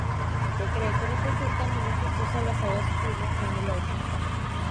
Se cree que representa al Niño Jesús abrazando a su primo Juan el Bautista.